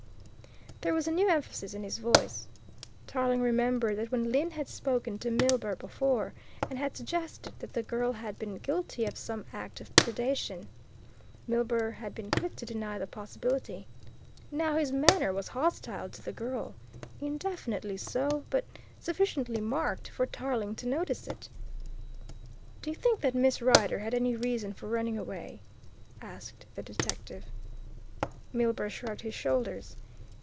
There was a new emphasis in his voice. Tarling remembered that when Lyne had spoken to Milburgh before, and had suggested that the girl had been guilty of some act of predation, Milburgh had been quick to deny the possibility. Now his manner was hostile to the girl indefinitely so, but sufficiently marked for Tarling to notice it. "Do you think that Miss Rider had any reason for running away?" asked the detective. Milburgh shrugged his shoulders.